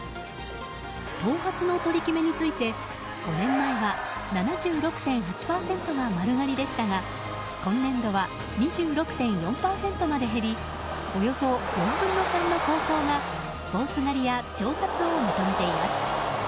頭髪の取り決めについて５年前は７６．８％が丸刈りでしたが今年度は２６．４％まで減りおよそ４分の３の高校がスポーツ刈りや長髪を認めています。